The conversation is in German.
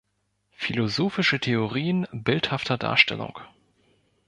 Philosophische Theorien bildhafter Darstellung.